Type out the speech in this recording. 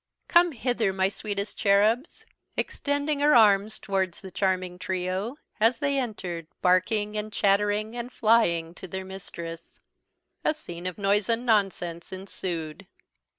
"Come hither, my sweetest cherubs," extending her arms towards the charming trio, as they entered, barking, and chattering, and flying to their mistress. A scene of noise and nonsense ensued.